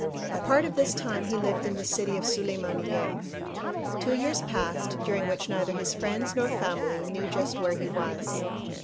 A part of this time he lived in the city of Sulimaniyye. Two years passed during which neither his friends nor family knew just where he was.